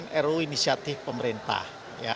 ini perlu inisiatif pemerintah